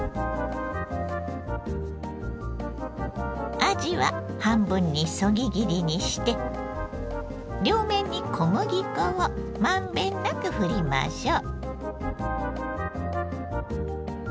あじは半分にそぎ切りにして両面に小麦粉を満遍なくふりましょう。